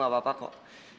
aku tidak apa apa kok